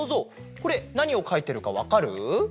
これなにをかいてるかわかる？